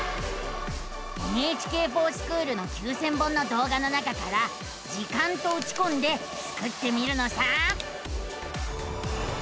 「ＮＨＫｆｏｒＳｃｈｏｏｌ」の９，０００本のどう画の中から「時間」とうちこんでスクってみるのさ！